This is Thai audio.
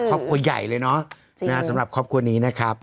ครอบครัวใหญ่เลยเนอะจริงนะฮะสำหรับครอบครัวนี้ได้ครับ